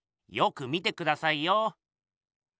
よく見てくださいよ。